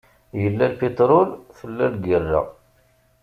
Yella lpiṭrul, tella lgirra.